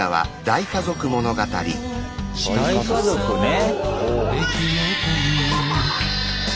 大家族ね！